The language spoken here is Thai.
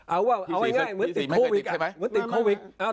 เอาง่ายเหมือนติดโควิก